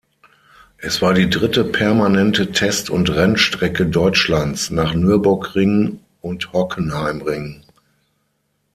Es war die dritte permanente Test- und Rennstrecke Deutschlands, nach Nürburgring und Hockenheimring.